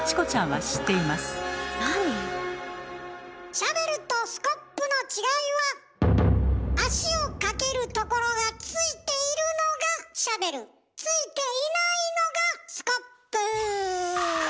シャベルとスコップの違いは足をかけるところがついているのがシャベルついていないのがスコップ。